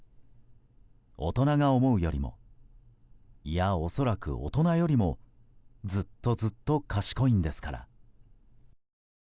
大人が思うよりもいや、恐らく大人よりもずっとずっと賢いんですから。